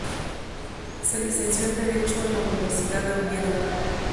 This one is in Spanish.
Se licenció en Derecho en la Universidad de Oviedo.